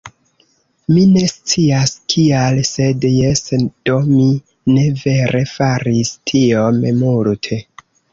Mi ne scias kial sed, jes, do mi ne vere faris tiom multe